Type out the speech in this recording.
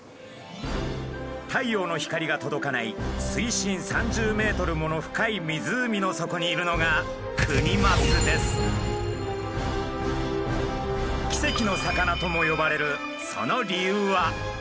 太陽の光が届かない水深３０ｍもの深い湖の底にいるのが奇跡の魚とも呼ばれるその理由は。